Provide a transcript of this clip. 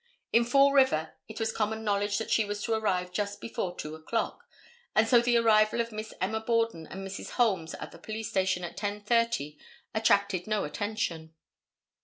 In Fall River it was common knowledge that she was to arrive just before 2 o'clock, and so the arrival of Miss Emma Borden and Mrs. Holmes at the police station at 10:30 attracted no attention.